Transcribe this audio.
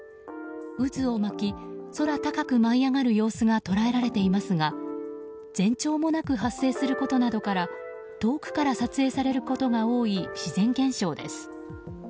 渦を巻き空高く舞い上がる様子が捉えられていますが前兆もなく発生することなどから遠くから撮影されることが多い自然現象です。